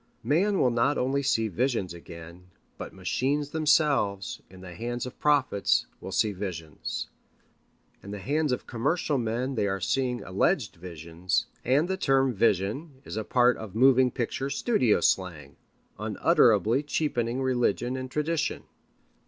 Man will not only see visions again, but machines themselves, in the hands of prophets, will see visions. In the hands of commercial men they are seeing alleged visions, and the term "vision" is a part of moving picture studio slang, unutterably cheapening religion and tradition.